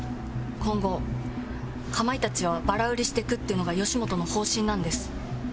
今後かまいたちはバラ売りしていくっていうのが吉本の方針なんです。